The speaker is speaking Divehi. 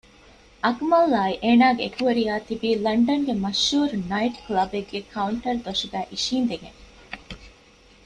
އަކުމަލްއާއި އޭނާގެ އެކުވެރިޔާ ތިބީ ލަންޑަންގެ މަޝްހޫރު ނައިޓު ކުލަބެއްގެ ކައުންޓަރު ދޮށުގައި އިށީނދެގެން